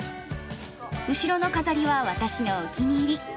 後ろの飾りは私のお気に入り。